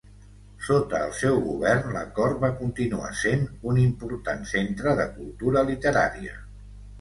Sota el seu govern, la cort va continuar sent un important centre de cultura literària.